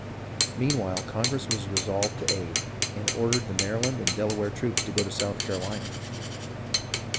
Meanwhile Congress was resolved to aid, and ordered the Maryland and Delaware troops to go to South Carolina.